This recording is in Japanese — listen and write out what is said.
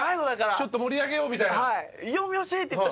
ちょっと盛り上げようみたいな。